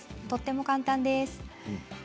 とても簡単です。